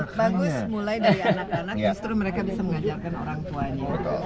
sangat bagus mulai dari anak anak justru mereka bisa mengajarkan orang tuanya